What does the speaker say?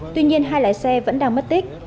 tuy nhiên hai lái xe vẫn đang mất tích